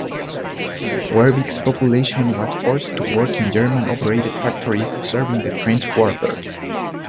Wervik's population was forced to work in German operated factories serving the trench warfare.